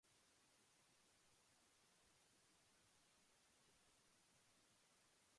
Saxo Grammaticus ofrece dos citas sobre el origen del personaje.